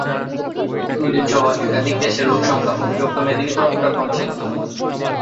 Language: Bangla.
সুইডেন সহ একাধিক দেশের লোকসংখ্যা অবিভক্ত মেদিনীপুর অপেক্ষা কম ছিল।